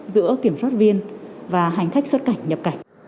giữa kiểm soát viên và hành khách xuất cảnh nhập cảnh